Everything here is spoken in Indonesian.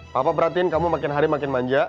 papa perhatiin kamu makin hari makin manja